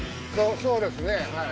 そうですねはい。